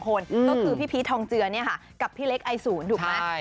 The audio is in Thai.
ก็คือพี่พีชทองเจือเนี่ยค่ะกับพี่เล็กไอศูนย์ถูกไหม